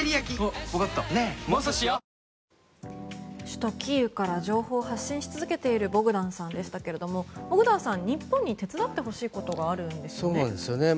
首都キーウから情報を発信し続けているボグダンさんでしたけれどもボグダンさん、日本に手伝ってほしいことがあるんですよね。